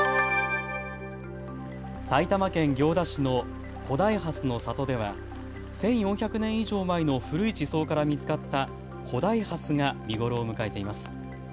埼玉県行田市の古代蓮の里では１４００年以上前の古い地層から見つかった古代ハスが見頃を迎えています。